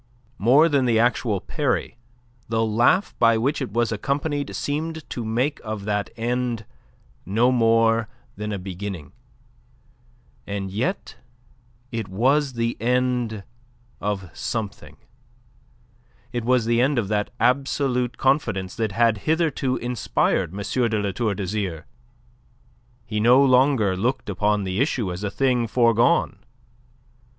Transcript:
More than the actual parry, the laugh by which it was accompanied seemed to make of that end no more than a beginning. And yet it was the end of something. It was the end of that absolute confidence that had hitherto inspired M. de La Tour d'Azyr. He no longer looked upon the issue as a thing forgone.